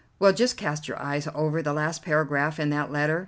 Well, just cast your eyes over the last paragraph in that letter."